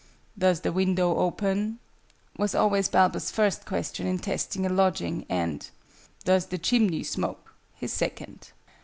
"Does the window open?" was always Balbus' first question in testing a lodging: and "Does the chimney smoke?" his second.